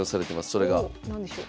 それが何でしょう？